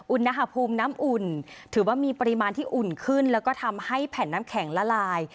อุณหภูมิน้ำอุ่นถือว่ามีปริมาณที่อุ่นขึ้นแล้วก็ทำให้แผ่นน้ำแข็งละลาย